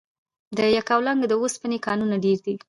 د یکاولنګ د اوسپنې کانونه ډیر دي؟